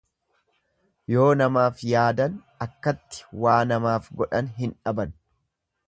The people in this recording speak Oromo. Yoo namaaf yaadan akkatti waa namaaf godhan hin dhaban.